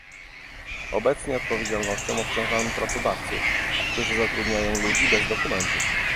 Obecnie odpowiedzialnością obciążamy pracodawców, którzy zatrudniają ludzi bez dokumentów